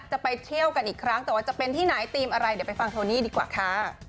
จะไปเที่ยวกันอีกครั้งแต่ว่าจะเป็นที่ไหนทีมอะไรเดี๋ยวไปฟังโทนี่ดีกว่าค่ะ